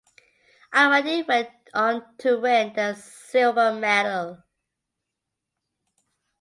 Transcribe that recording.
Ahmadi went on to win the silver medal.